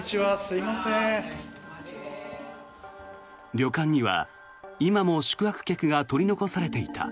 旅館には今も宿泊客が取り残されていた。